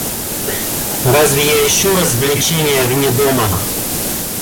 Разве я ищу развлечения вне дома?